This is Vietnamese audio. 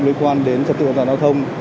liên quan đến trật tự an toàn giao thông